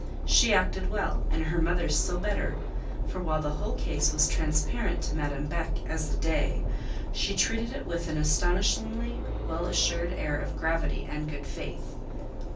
She acted well, and her mother still better; for while the whole case was transparent to Madame Beck as the day, she treated it with an astonishingly well assured air of gravity and good faith.